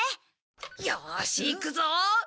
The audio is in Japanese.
よーしいくぞー！